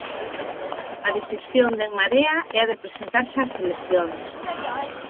A decisión de En Marea é a de presentarse ás eleccións.